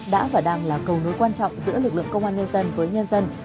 đã và đang là cầu nối quan trọng giữa lực lượng công an nhân dân với nhân dân